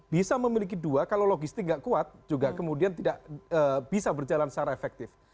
bisa memiliki dua kalau logistik nggak kuat juga kemudian tidak bisa berjalan secara efektif